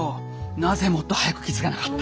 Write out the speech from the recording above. なぜもっと早く気付かなかった。